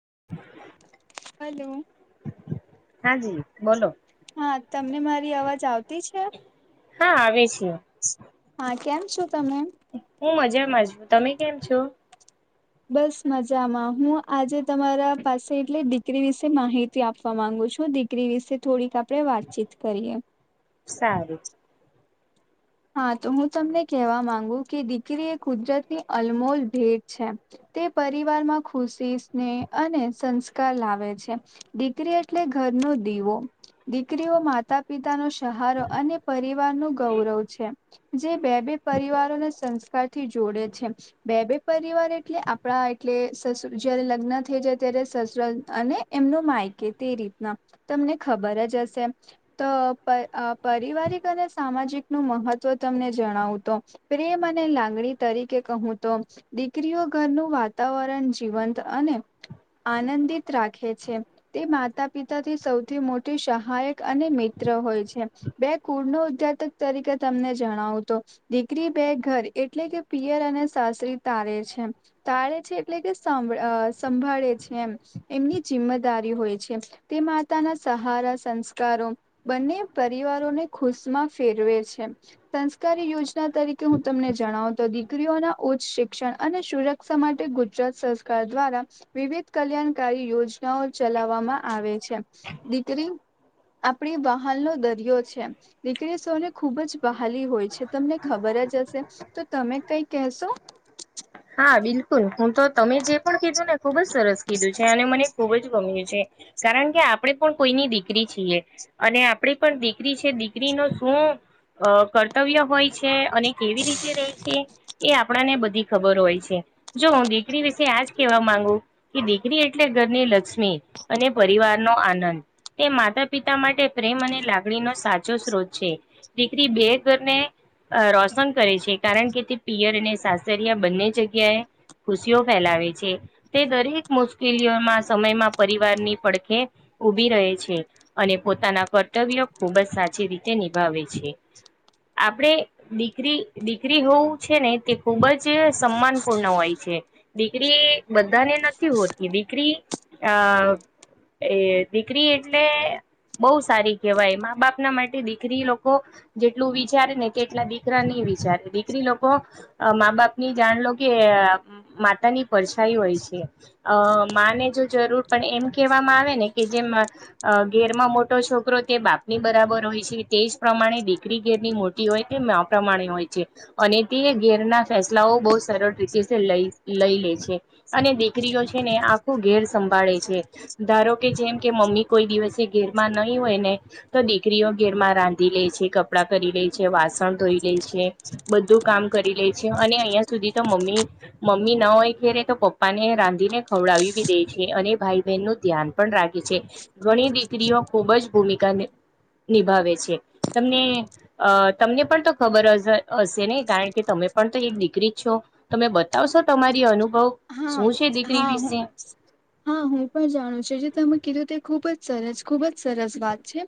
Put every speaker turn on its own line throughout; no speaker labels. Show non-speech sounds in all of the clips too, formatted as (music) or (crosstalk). (inaudible)
Hello
હા જી બોલો
હા તમને મારી અવાજ આવતી છે
હા આવે છે
હા કેમ છો? તમે
હું મજામાં છું તમે કેમ છો?
બસ મજામાં હું આજે તમારા પાસે એટલે દીકરી વિશે માહિતી આપવા માંગુ છું દીકરી વિશે થોડીક આપડે વાતચીત કરીએ
સારું
હા તો હું તમને કહેવા માંગુ કે દીકરી એ કુદરતની અનમોલ ભેટ છે તે પરિવારમાં ખુશી, સ્નેહ અને સંસ્કાર લાવે છે દીકરી એટલે ઘ રનો દીવો દીકરીઓ માતા પિતા નો સહારો અને પરિવાર નું ગૌરવ છે જે બે બે પરિવારોને સંસ્કાર થી જોડે છે બે બે પરિવાર એટલે આપડા એટલે સસુર જયારે લગ્ન થઈ જાય ત્યારે સસુરાલ અને એમનો માયકે તે રીતના તમને ખબર જ હશે તો પ અ પરિવારિક અને સામાજિક નું મહત્વ તમને જણાવું તો પ્રેમ અને લાગણી તરીકે કહું તો દીકરીઓ ઘરનું વાતાવરણ જીવંત અને આનંદિત રાખે છે તે માતા પિતાથી સૌથી મોટી સહાયક અને મી ત્ર હોય છે બે કુળ નું ઉધ્યાત તરીકે તમને જણાવું તો દીકરી બે ઘર એટલે કે પિયર અને સાસરી તારે છ એમ તાળે છે એટલે કે સામ્ભ સંભાળે છે એમ એમની જિમ્મેદારી હોય છે તે માતાના સહારા સંસ્કારો બંને પરિવારોને ખુશમાં ફેરવે છે સંસ્કારી યોજના તરીકે હું તમને જણાવ તો દીકરીઓના ઉચ્ચ શિક્ષ અને સુરક્ષા માટે ગુજરાત સરકાર દ્વારા વિવિધ કલ્યાણકારી યોજનાઓ ચલાવ વામાં આવે છે દીકરી આપડી વાહન નો દરિયો છે દી કરી સૌને ખુબ જ બહાલી હોય છે તમને ખબર જ હશે તો તમે કઈ કહેશો? (inaudible)
હા બિલકુલ હું તો તમે જે પણ કીધું ને ખુબ જ સરસ કીધું છે અને મને ખૂબ જ ગમ્યું છે કારણ કે આપણે પણ કોઈની દીકરી છીએ અને આપણે પણ દીકરી છે દીકરીનું શું અ કર્તવ્ય હોય છે અને કેવી રીતે રેય છે એ આપણા ને બધ ખબર હોય છે જો દીકરી વિશે આજ કેવા માંગુ કે દીકરી એટલે ઘરની લક્ષ્મી અને પરિવાર નો આનંદ તે માતા પિતા માટે પ્રેમ અને લાગણીનો સાચો સ્ત્રોત છે. દીકરી બે ઘરને અ રોશન કરે છે કારણ કે તે પિયર અને સાસ સરિયા બંને જગ્યાએ ખુશીઓ ફેલાવે છે તે દરેક મુશ્કેલીઓમાં સમયમાં પરિવારની પડખે ઉભી રહે છે અને પોતાના કર્તવ્ય ખૂબ જ સાચી રીતે નિભાવે છે આપડે દીકરી દીકરી હોવું છે ને તે ખૂબ જ સમાન પૂર્ણ હોય છે દીકરી બધાને નથી હોતી દીકરી આ એ દીકરી એટલે બહુ સારી કહેવાય મા બાપના માટે દીકરી લોકો જેટલું વિચારે ને તેટલા દીકરાની વિચારે દીકરી લોકો મા બાપ ની જાણ લો કે માતા ની પરછાઈ હોય છે અ માને જરૂર પણ એમ કહેવામાં આવે ને કે જેમ ઘેરમાં મોટો છોકરો તે બાપની બરાબર હોય છે તે જ પ્રમાણે દીકરી ઘેરની મોટી હોય તે પ્રમાણે હોય છે અને તે ઘેર ના ફેસલાઓ બહુ સરળ રીતે લઈ લઈ લે છે અને દીકરીઓ છે ને આખું ઘેર સંભાળે છે ધારો કે જેમ કે મમ્મી કોઈ દિવસે ઘેર માં નહીં હોય ને તો દીકરીઓ ઘેરમાં રાંધી લે છે કપડાં કરી લે છે વાસણ ધોઈ લે છે બધું કામ કરી લે છે અને અહીંયા સુધી તો મમ્મી મમ્મી ના હોય ઘેરે તો પપ્પા ને રાંધીને ખવડાવ્યું દે છે અને ભાઈ બહેન નું ધ્યાન પણ રાખે છે ઘણી દીકરીઓ ખુબ જ ભૂમિકા નિભાવે છે તમને અ તમને પણ તો ખબર હશે નહી કારણ ક કે તમે પણ તો એક દીકરી જ છો તમે બતાવશો તમારી અનુભવ
હા
શું છે દીકરી
હા હું
વિશે
હા હું પણ જાણું છું જે તમે કીધું તે ખુબ જ સરસ ખુબ જ સરસ વાત છે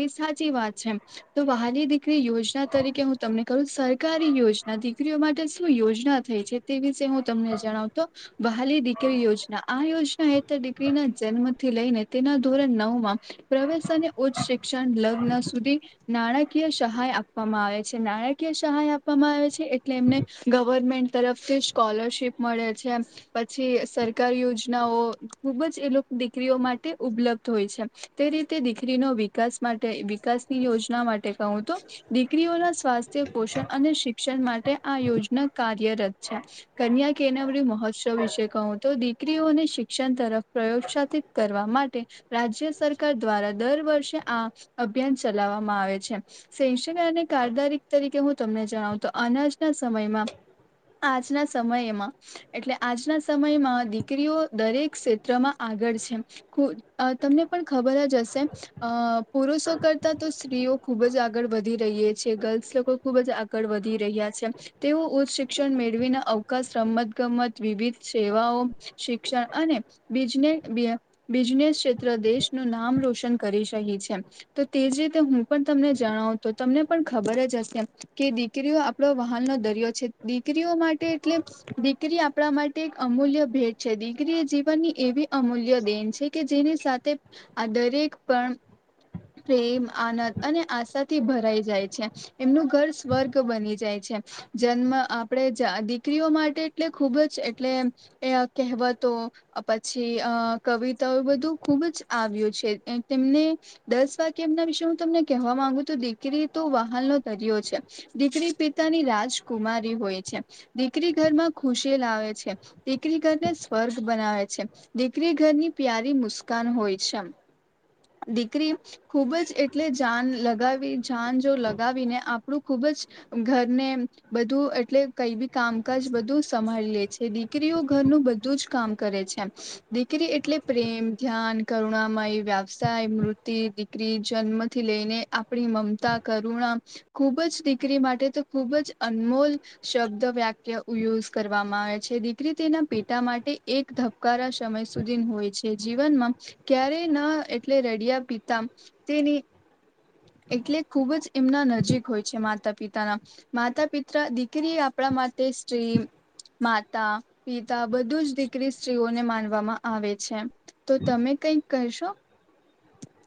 એ સાચી વાત છે તો વહાલી દીકરી યોજ યોજના તરીકે હું તમને કરું સરકારી યોજના દીકરીઓ માટે શું યોજના થઈ છે તે વિશે હું તમને હ જણાવ તો વહાલી દીકરી યોજના આ યોજના હેત દિગ્રી ના જન્મથી લઈને તેના ધોરણ નવ માં પ્રવેશ અને ઉચ્ શિક્ષણ લગ્ન સુધી નાણાય કીય સહાય આપવામાં આવે છે નાણાકીય સહાય આપવામાં આવે છે એટલે એમને ગવર્મેન્ટ તરફથી સ્કોલરશીપ મળે છે પછી સરકારી યોજનાઓ ખુબ જ એ લોકો દીકરીઓ માટે ઉપલબ્ધ હોય છે તેી રીતે દીકરીનો વિકાસ માટે વિકાસની યોજના માટે કહું તો દીકરીઓના સ્વાસ્થ્ય પોષણ અને શિક્ષણ માટે આ યોજના કાર્યરત છે કન્યા કેનાવડી મહોત્સવ વિશે કહું તો દીકરીઓને શિક્ષણ તરફ પ્રયોત્સાહિત કરવા માટે રાજ્ય સરકાર દ્વારા દર વર્ષે આ અભિયાન ચલાવવામાં આવે છે સૈશન અને કારદારી તરીકે હું તમને જણાવ તો અનાજના સમયમાં આજના સમયમાં એટલે આજના સમયમાં દીકરીઓ દરેક ક્ષેત્રમાં આગળ છે તમને પણ ખબર ખબર જ હશે પુરુષો કરતા સ્ત્રીઓ ખુબ જ આગળ વધી રહી છે ગર્લ્સ લોકો ખુબ જ આગળ વધી રહ્યા છે તેઓ ઉ શિક્ષણ મેળવીના અવકાશ રમત ગમત વિવિધ સેવાઓ શિક્ષણ અનેને બિજનેસ ક્ષેત્ર દેશ નામ રોશન કરી શહી છે તો તેજ રીતે હું પણ તમને જણાવ તો તમને પણ ખબર જ કે દીકરીઓ આપડો વાહન નો દરિયો છે દીકરીઓ માટે એટલે દીકરી આપણા માટે એક અમૂલ્ય ભેટ છે દીકરી એ જીવનની એવી અમૂલ્ય દેન છે કે જેની સાથે આ દરેક પણ પ્રેમ આનંદ અને આશાથી ભરાઈ જાય છે એમનું ઘર સ્વર્ગ બની જાય છે જન્મ આપે દીકરીઓ માટે એટલે ખુબ જ એટલે કહેવતો પછી અ કવિતાઓ બધું ખુબ જ આવ્યો છે તેમને દસ વાગ્ય એમના વિશે હું તમને કહેવા માંગુું દીકરી તો વાહ દરયો છે દીકરી પિતાની રાજકુમારી હોય છે દીકરી ઘરમાં ખુશી લાવે છે દીકરી ઘરને સ્વર્ગ બનાવે છે દીકરી ઘરની પ્યારી મુસ્કાન હોય છે દીકરી ખુબ જ એટલે જાન લગાવી જાન જો લગાવીને આપણું ખૂબ ઘરને બધું એટલે કઈ બી કામકાજ બધું સંભાળી લે છે દીકરીઓ ઘરનું બધું જ કામ કરે છે દીકરી એટલે પ્રેમ ધ્યાન કરુણામય વ્યવસાય મૃત્ય દીકરી જન્મથી લઈને આપણી મમતા કરું ખુબ જ દીકરી માટે તો ખુબ જ અનમોલ શબ્દ વાક્ય કરવામાં આવે છે દીકરી તેના પેટા માટે એક ધબકારા સમય સુધી હોય છે જીવનમાં ક્યારેય ના એટલે રડિયા પીતા તેની એટલે ખુબ જ એમના નજીક હોય છે માતા પિતાના માતા પિતા દીકરી આપણા મ સ્ટ્રીમ માતા પિતા બધું જ દીકરી સ્ત્રીઓને માનવામાં આવે છે તો તમે કઈક કરશો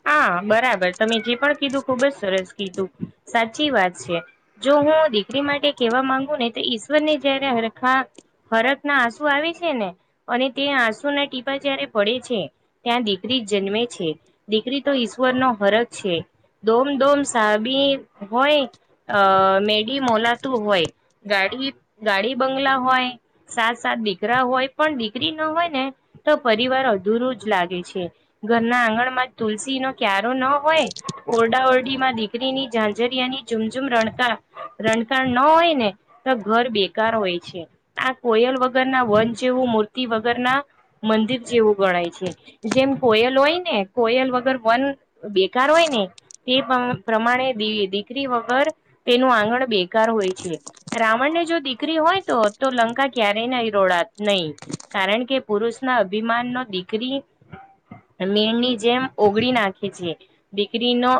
હા બરાબર તમે જે પણ કીધું ખુબ જ સરસ કીધું સાચી વાત છે જો હું દીકરી માટે કેહેવા માંગુ ને તો ઈશ્વર ને જયારે હરખા હરક ના આંસુ આવે છે ને અને તે આંસુ ના ટીપા જયારે પડે છે ત્યાં દીકરી જન્મે છે દીકરી તો ઈશ્વર નો હરક છે દોમ દોમ સાબી હોય અ મેડી મોલાતું હોય ગાડી ગાડી બંગલા હોય સાત સાત દીકરા હોય પણ દીકરી ના હોય ને તો પરિવાર અધૂરું જ લાગે છે ઘરના આંગણમાં તુલસી નો ક્યારેો ન હોય ઓરડા ઓરડી માં દીકરીની ઝંઝરિયા ની ઝુમઝુમ રણકાર રણખણ ન હોય ને તો ઘર બેકાર હોય છે આ કોયલ વગર ના વન જેવું મૂર્તિ વગર ના મંદિર જેવું ગણાય છે જેમ કોયલ હોય ને કોયલ વગર વન બેકાર હોય ને તે પ્રમાણે દીકરી વગર તેનું આંગણ બેકાર હોય છે રાવણ ને જો દીકરી હોય તો તો લંકા ક્યારેય ના રડા નહી કારણ કે પુરુષ ના અભિમાન નો દીકરીમીણની જેમ ઓગળી નાખે છે દીકરીનો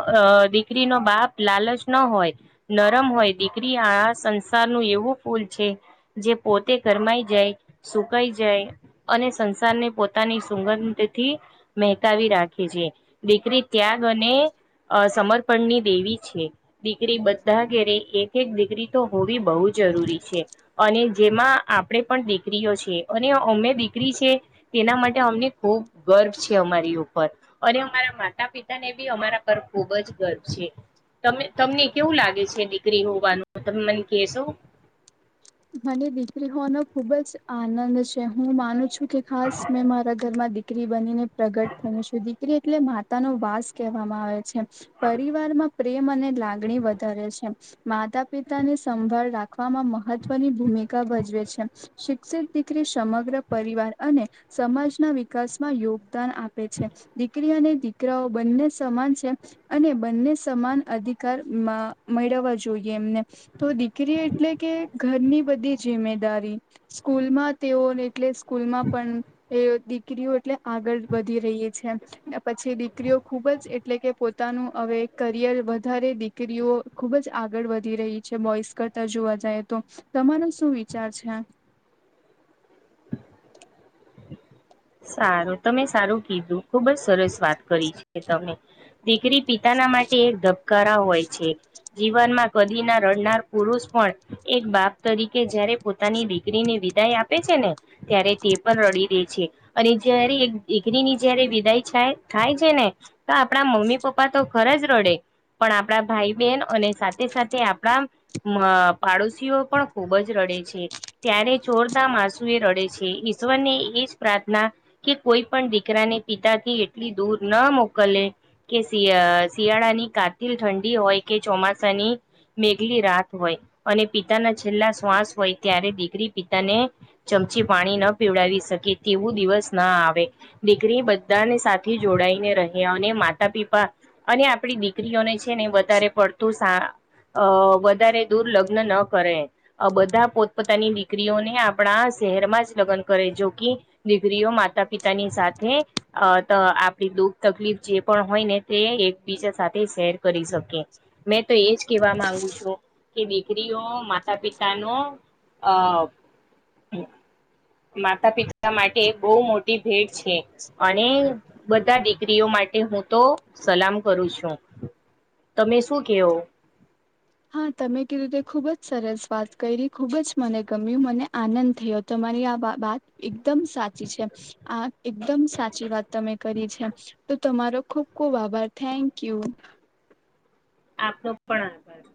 દીકરીનો બાપ લાલચ ન હોય નરમ હોય દીકરી આળા સંસાર નું એવું ફૂલ છે જે પોતે ગરમાય જાય સુકાઈ જાય અને સંસારને પોતાની સુંગંધ થી મહેકાવી રાખે ી છે દીકરી ત્યાગ અને અ સમર્પણની દેવી છે દીકરી બધા ઘેરે એક દીકરી તો હોવી બહુ જરૂરી છે અને જેમાં આપણે પણ દીકરીઓ છે અને અમે દીકરી છે તેના માટે અમને ખૂબ ગર્વ છે અમારી ઉપર અને અમારા માતા પિતા ને બી અમારા પર ખુબ જ ગર્વ છે ત તમને કેવું લાગે છે ડિગ્રી હોવાનું તમે મને કહે સ
મને દીકરી હોનો ખુબ જ આનંદ છે હું માનું છું કે ખાસ મેં મારા ધરમા દખ દીકરી બનીને પ્રગટ થઈને છે દીકરી એટલે માતા ન વાસ કહેવામાં આવે છે પરિવારમાં પ્રેમ અને લાગણી વધારે છે માતા પિતા ને સંભાળ રાખવામાં મહત્વ ની ભૂમિકા ભજવે છે શિક્ષિત દીકરી સમગ્ર પરિવાર અને સમાજના વિકાસમાં યોગદાન આપે છે દીકરીઓને દીકરાઓ બંને સમાન છે અને બંને સમાન અધિકાર મેળવવા જોઈએ એમને તો દીકરી એટલે કે ઘરની બધી જિ્મેદારી સ્કૂલમાં તેઓ એટલે સ્કૂલમાં પણ એ દીકરીઓ એટલે આગળ વધી રહી છે પછી દીકરીઓ ખુબ જ એટલે કે પોતાનું કરિયર વધારે દીકરીઓ ખુબ જ આગળ વધી રહી છે બોઇસ કરતા જોવા જાય તો તો તમારો શું વિચાર છે
સારું તમે સારું કીધું ખુબ જ સરસ વાત કરી છે તમે દીકરી પિતાના માટે એક ધબકારા હોય છે જીવનમાં કદી ના રડનાર પુરુષ પણ એક બાપ તરીકે જય્યારે પોતાની દીકરીને વિદાય આપે છે ને ત્યારે તે પણ રડી દે છે અને જયારે એક દીકરીની જયારે વિદાય થાય છે ને તો આપડા મમ્મી પપ્પા તો ખર રોડે પણ આપણા ભાઈ બહેન અને સાથે સાથે આપણા પાડોશીઓ પણ ખુબ જ ર ત્યારે ચોરદ મા આસુ એ રડે છે ઈશ્વરને એ જ પ્રાર્ કે કોઈ પણ દીકરાને પિતા થી એટલી દૂર ન મોકલે કે શ શિયાળા ની કાતિલ ઠંડી હોય કે ચોમાસાની મેઘલી રાત હોય અને પિતાના છેલ્લા શ્વાસ હોય ત્યારે દીકરી પિતાને પછી પાણી ન પીવડાવી શકે તેવું દિવસ ના આવે દીકરી બધાને સાથે જોડાઈને રહ્યા અને માતા પિપા અને આપડી દીકરીઓને છે ને વધારે પડતું વધારે દૂર લગ્ન ન કરે બધા પોતપોતાની દીકરીઓને આપણા શહેરમાં જ લગ્ન કરે જોકી દીકરીઓ માતા પિતાની સાથે તો આપડી દુઃખ તકલીફ જે પણ હોય ને તે એકબીજા સાથે શેર કરી શકે મેં તો એજ કેવા માંગુ છું કે દીકરીઓ માતા પિતાનો અ માતા પિતા માટે બહુ મોટી ભેટ છે અને બધા દીકરીઓ માટે હું તો સલામ કરું છું. તમે શું કહો?
હા તમે કીધું રીતે ખુબ જ સરસ વાત કરી ખુબ જ મને ગમ્યું મને આનંદ થયો તમે મારી આ વાત એકદમ સાચી છે આ એકદમ સાચી વાત તમે કરી છે. તો તમારો ખુબ ખુબ આભાર થેન્ક યુ.
આપનો પણ આભાર.